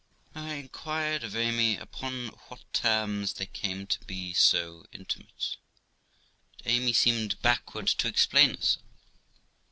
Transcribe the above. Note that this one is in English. I inquired of Amy upon what terms they came to be so intimate, but Amy seemed backward to explain herself.